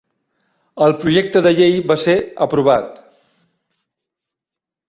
El projecte de llei va ser aprovat.